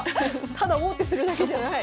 ただ王手するだけじゃない。